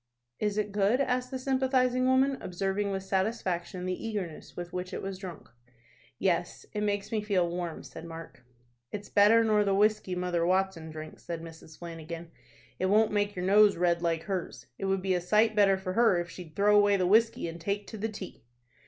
"Is it good?" asked the sympathizing woman, observing with satisfaction the eagerness with which it was drunk. "Yes, it makes me feel warm," said Mark. "It's better nor the whiskey Mother Watson drinks," said Mrs. Flanagan. "It won't make your nose red like hers. It would be a sight better for her if she'd throw away the whiskey, and take to the tea."